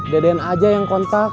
deden aja yang kontak